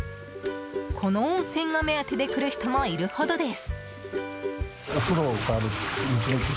この温泉が目当てで来る人もいるほどです。